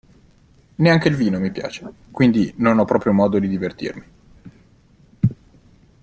Neanche il vino mi piace, quindi non ho proprio modo di divertirmi.